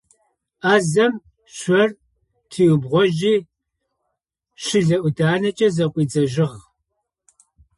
Ӏазэм шъор тыриубгъожьи, щылэ ӏуданэкӏэ зэкъуидзэжьыгъ.